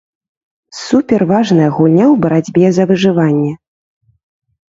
Суперважная гульня ў барацьбе за выжыванне.